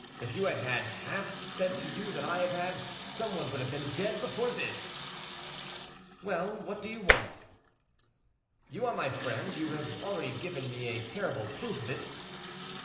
if you had had half said to you that I have had, some one would have been dead before this." "Well, what do you want?" "You are my friend; you have already given me a terrible proof of it."